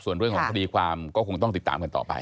ส่วนเรื่องของคดีความก็คงต้องติดตามกันต่อไป